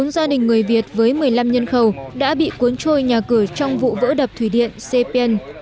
bốn gia đình người việt với một mươi năm nhân khẩu đã bị cuốn trôi nhà cửa trong vụ vỡ đập thủy điện sepien